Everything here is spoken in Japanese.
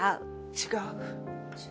違う。